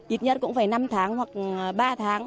ít nhất cũng phải năm tháng hoặc ba tháng